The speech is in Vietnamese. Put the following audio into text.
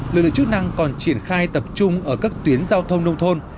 lực lượng chức năng còn triển khai tập trung ở các tuyến giao thông nông thôn